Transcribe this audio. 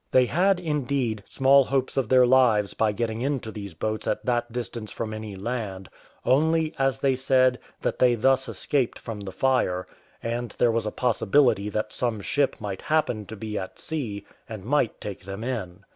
They had, indeed, small hopes of their lives by getting into these boats at that distance from any land; only, as they said, that they thus escaped from the fire, and there was a possibility that some ship might happen to be at sea, and might take them in.